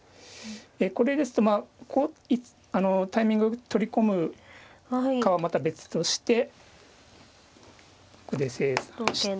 これですとまああのタイミング取り込むかはまた別としてここで清算して。